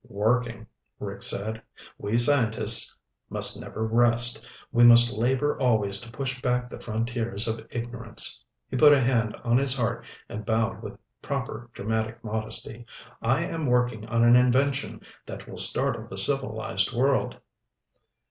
"Working," Rick said. "We scientists must never rest. We must labor always to push back the frontiers of ignorance." He put a hand on his heart and bowed with proper dramatic modesty. "I am working on an invention that will startle the civilized world."